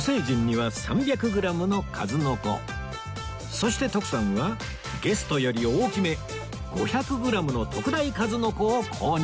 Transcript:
そして徳さんはゲストより大きめ５００グラムの特大数の子を購入